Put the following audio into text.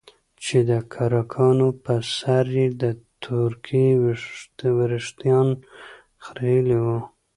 چې دکرکانو په سر يې د تورکي وريښتان خرييلي وو.